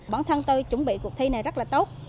bản thân tôi chuẩn bị cuộc thi này rất là tốt